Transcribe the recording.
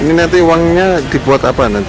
ini nanti uangnya dibuat apa nanti